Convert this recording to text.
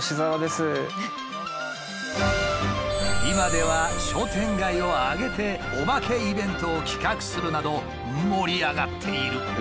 今では商店街をあげてお化けイベントを企画するなど盛り上がっている。